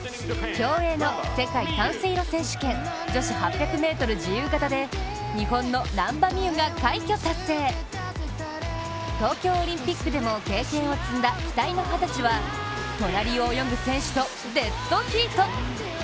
競泳の世界短水路選手権女子８００ｍ自由形で東京オリンピックでも経験を積んだ期待の２０歳は隣を泳ぐ選手とデッドヒート